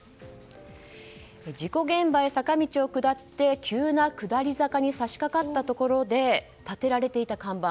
事故現場へ坂道を下って急な下り坂に差し掛かったところで立てられていた看板。